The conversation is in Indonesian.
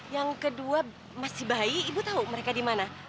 yang kedua masih bayi ibu tahu mereka di mana